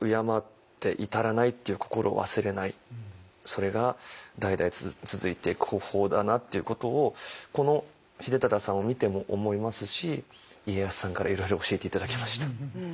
それが代々続いていく方法だなっていうことをこの秀忠さんを見ても思いますし家康さんからいろいろ教えて頂きました。